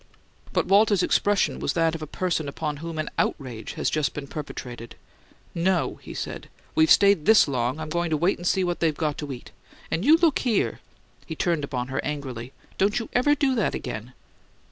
But Walter's expression was that of a person upon whom an outrage has just been perpetrated. "No," he said. "We've stayed THIS long, I'm goin' to wait and see what they got to eat. And you look here!" He turned upon her angrily. "Don't you ever do that again!"